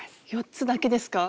４つだけですか？